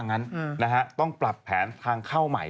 ซึ่งตอน๕โมง๔๕นะฮะทางหน่วยซิวได้มีการยุติการค้นหาที่